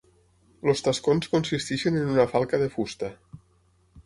Els tascons consisteixen en una falca de fusta.